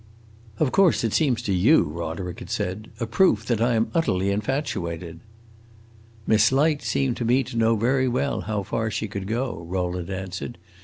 "Of course it seems to you," Roderick said, "a proof that I am utterly infatuated." "Miss Light seemed to me to know very well how far she could go," Rowland answered.